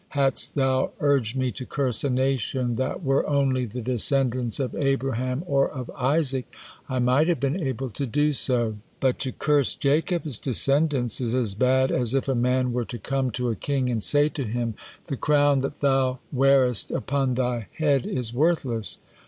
Hadst thou urged me to curse a nation that were only the descendants of Abraham or of Isaac, I might have been able to do so; but to curse Jacob's descendants is as bad as if a man were to come to a king and say to him, 'The crown that thou wearest upon thy head is worthless.'